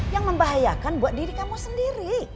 yang membahayakan buat diri kamu sendiri